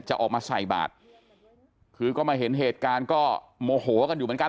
จะออกมาใส่บาทคือก็มาเห็นเหตุการณ์ก็โมโหกันอยู่เหมือนกัน